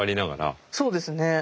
そうですね。